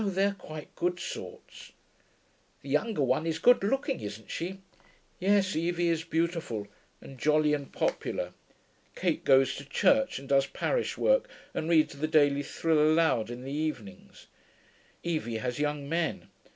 they're quite good sorts.' 'The younger one is good looking, isn't she?' 'Yes. Evie is beautiful. And jolly, and popular. Kate goes to church and does parish work, and reads the Daily Thrill aloud in the evenings. Evie has young men.